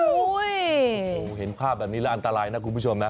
โอ้โหเห็นภาพแบบนี้แล้วอันตรายนะคุณผู้ชมนะ